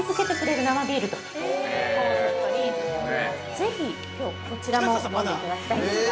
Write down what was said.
◆ぜひ、きょうこちらも飲んでいただきたいんですが。